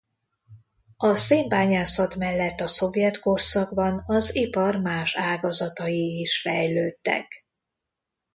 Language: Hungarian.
A szénbányászat mellett a szovjet korszakban az ipar más ágazatai is fejlődtek.